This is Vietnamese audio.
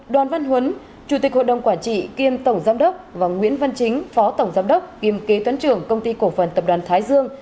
đoàn văn huấn chủ tịch hội đồng quản trị kiêm tổng giám đốc và nguyễn văn chính phó tổng giám đốc kiêm kế toán trưởng công ty cổ phần tập đoàn thái dương